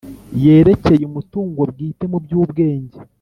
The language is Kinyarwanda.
yerekeye umutungo bwite mu by ubwenge